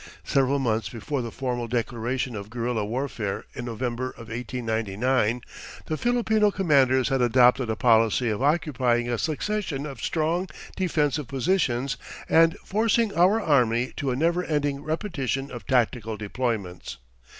Several months before the formal declaration of guerilla warfare in November of 1899, the Filipino commanders had adopted a policy of occupying a succession of strong defensive positions and forcing our army to a never ending repetition of tactical deployments.